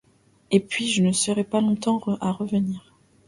Et puis, je ne serai pas longtemps à revenir.